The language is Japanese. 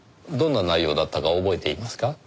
どんな内容だったか覚えていますか？